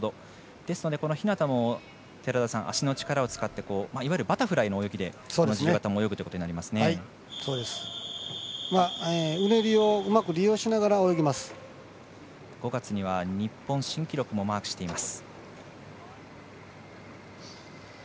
ですので、この日向も足の力を使っていわゆるバタフライの泳ぎでこの自由形も泳ぐことにうねりを５月には日本新記録もマークしています。